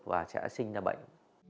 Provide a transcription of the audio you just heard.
và sẽ sinh ra bệnh